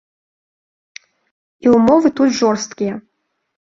І ўмовы тут жорсткія.